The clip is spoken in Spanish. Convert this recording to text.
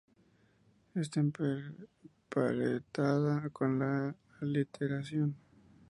Está emparentada con la aliteración.